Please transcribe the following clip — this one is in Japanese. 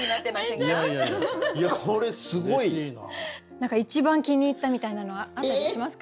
何か一番気に入ったみたいなのはあったりしますか？